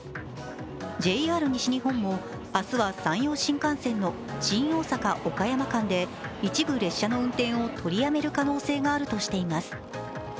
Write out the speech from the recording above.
ＪＲ西日本も明日は山陽新幹線の新大阪−岡山間で一部列車の運転を取りやめる可能性があるとしています。